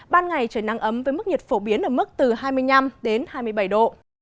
ban ngày trời nắng ấm với mức nhiệt phổ biến ở mức từ hai mươi năm đến hai mươi bảy độ